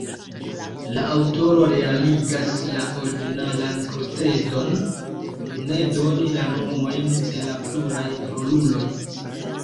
La aŭtoro realigas la originalan procedon ne doni la nomojn de la pluraj roluloj.